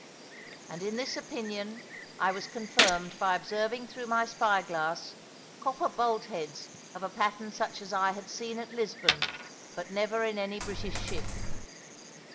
And in this opinion I was confirmed by observing through my spy glass, copper bolt heads of a pattern such as I had seen at Lisbon, but never in any British ship.